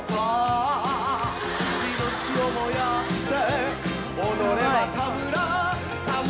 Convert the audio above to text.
「命を燃やして踊れば田村田村」